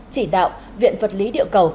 chỉ đạo viện vật lý địa cầu